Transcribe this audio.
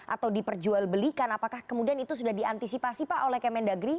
atau diperjualbelikan apakah kemudian itu sudah diantisipasi pak oleh kemendagri